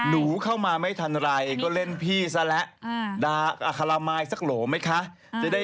นรูเข้ามาไม่ทันไรก็เล่นพี่ซะและ